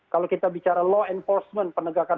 kalau kita bicara law enforcement penegakan